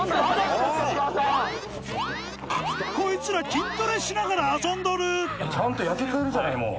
こいつら筋トレしながら遊んどるちゃんと焼けてるじゃないもう。